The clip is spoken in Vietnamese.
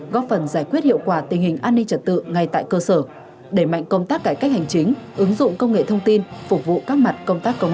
góp phần giải quyết hiệu quả tình hình an ninh trật tự ngay tại cơ sở đẩy mạnh công tác cải cách hành chính ứng dụng công nghệ thông tin phục vụ các mặt công tác công